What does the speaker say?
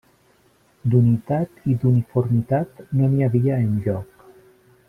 D'unitat i d'uniformitat, no n'hi havia enlloc.